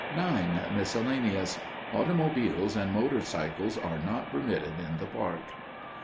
(9) Miscellaneous.—Automobiles and motor cycles are not permitted in the park.